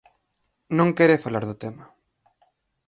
Non quere falar do tema.